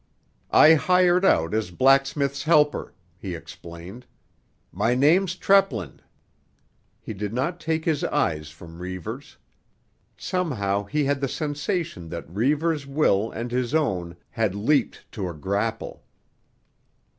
"I hired out as blacksmith's helper," he explained. "My name's Treplin." He did not take his eyes from Reivers'. Somehow he had the sensation that Reivers' will and his own had leaped to a grapple.